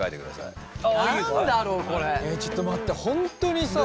いやちょっと待って本当にさ。